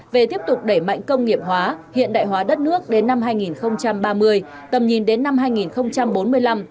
về tiếp tục đẩy mạnh công nghiệp hóa hiện đại hóa đất nước đến năm hai nghìn ba mươi tầm nhìn đến năm hai nghìn bốn mươi năm